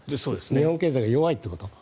日本経済が弱いってこと？